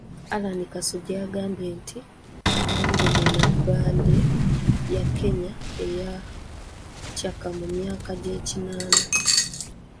Allan Kasujja yagambye nti, "Vundumuna bbandi ya Kenya eyacaaka mu myaka gy'ekinaana"